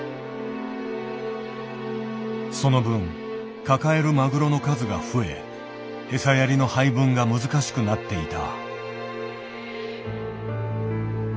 その分抱えるマグロの数が増え餌やりの配分が難しくなっていた。